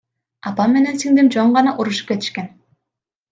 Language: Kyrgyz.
Апам менен сиңдим жөн гана урушуп кетишкен.